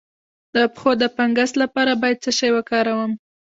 د پښو د فنګس لپاره باید څه شی وکاروم؟